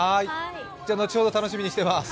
後ほど楽しみにしています。